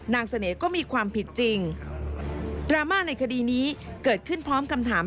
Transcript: เสน่ห์ก็มีความผิดจริงดราม่าในคดีนี้เกิดขึ้นพร้อมคำถาม